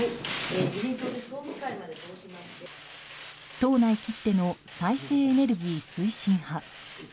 党内きっての再生エネルギー推進派。